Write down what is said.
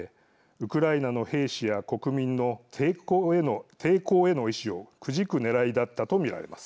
ウクライナの兵士や国民の抵抗への意志をくじくねらいだったと見られます。